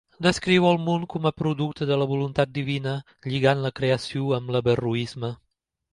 Descriu el món com a producte de la voluntat divina, lligant la Creació amb l'averroisme.